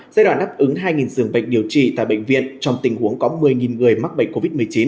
giai đoạn đáp ứng hai giường bệnh điều trị tại bệnh viện trong tình huống có một mươi người mắc bệnh covid một mươi chín